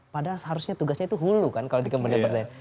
padahal seharusnya tugasnya itu hulu kan kalau di kementerian pertanian